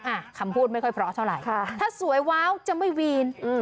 อ่ะคำพูดไม่ค่อยเพราะเท่าไหร่ค่ะถ้าสวยว้าวจะไม่วีนอืม